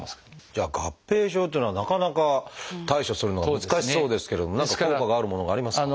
じゃあ合併症っていうのはなかなか対処するのが難しそうですけれども何か効果があるものがありますか？